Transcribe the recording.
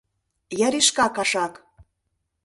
Яришка кашак!